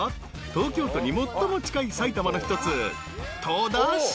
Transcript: ［東京都に最も近い埼玉の一つ］